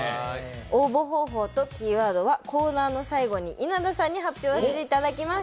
応募方法とキーワードはコーナーの最後に稲田さんに発表していただきます。